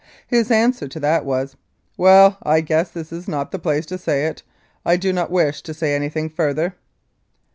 His answer to that was, "Well! I guess this is not the place to say it. I do not wish to say anything further."